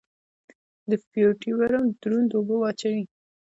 د فیوټیریم دروند اوبه جوړوي.